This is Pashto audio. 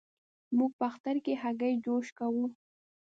موږ په اختر کې هګی جوش کوو.